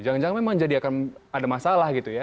jangan jangan memang jadi akan ada masalah gitu ya